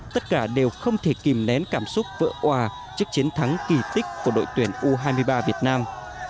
tất cả đều không thể kìm nén cảm xúc vỡ hòa trước chiến thắng kỳ tích của đội tuyển u hai mươi ba việt nam